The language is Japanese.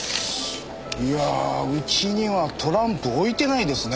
いやあうちにはトランプ置いてないですね。